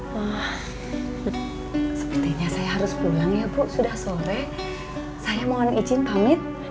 wah sepertinya saya harus pulang ya bu sudah sore saya mohon izin pamit